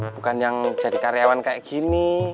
bukan yang jadi karyawan kayak gini